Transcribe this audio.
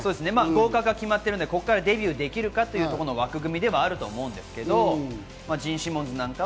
合格が決まってるのでデビューできるかという枠組みではあると思うんですけれども。